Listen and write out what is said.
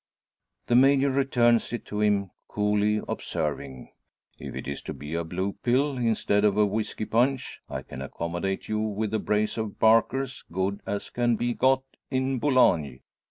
The Major returns it to him, coolly observing "If it is to be a blue pill, instead of a whisky punch, I can accommodate you with a brace of barkers, good as can be got in Boulogne.